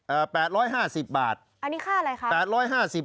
อันนี้ค่าอะไรครับ